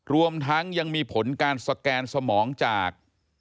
รวมทั้งยังมีผลการสแกนสมองจาก